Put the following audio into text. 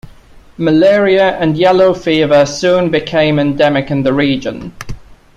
Malaria and yellow fever soon became endemic in the region.